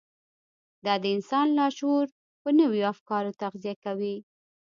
دا د انسان لاشعور په نويو افکارو تغذيه کوي.